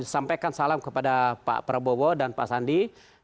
sampaikan salam kepada pak prabowo dan pak sandi